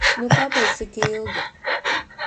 Nu kāpēc tik ilgi?